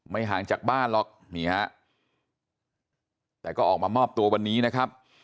ห่างจากบ้านหรอกนี่ฮะแต่ก็ออกมามอบตัววันนี้นะครับ